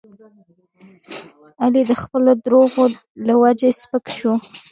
علي د خپلو دروغو له وجې سپک شو.